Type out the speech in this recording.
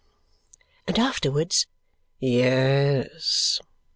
and afterwards "Yes!"